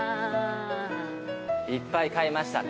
いっぱい買いましたね。